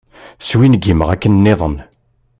Swingimeɣ akken-nniḍen.